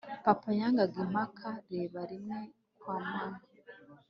papa yangaga imipaka. reba rimwe kwa mama